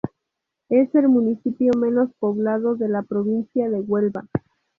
Es el municipio menos poblado de la provincia de Huelva.